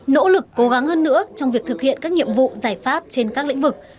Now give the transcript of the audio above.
nỗ lực cố gắng hơn nữa trong việc thực hiện các nhiệm vụ giải pháp trên các lĩnh vực